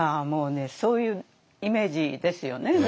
もうねそういうイメージですよね。